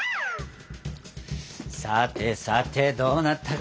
さてさてどうなったかな？